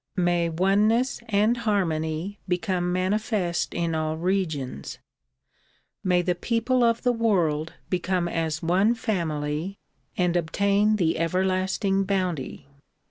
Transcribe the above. May oneness and harmony become manifest in all regions. May the people of the world become as one family and obtain the everlasting iDOunty.